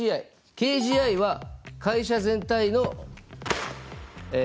ＫＧＩは会社全体のえ